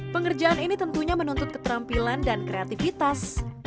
pengerjaan ini tentunya menuntut keterampilan dan kreativitas